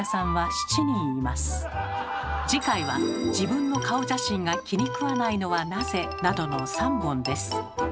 次回は「自分の顔写真が気に食わないのはなぜ？」などの３本です。